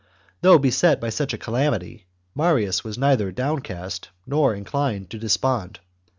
Though beset by such a calamity, Marius was /' neither downcast nor inclined to despond.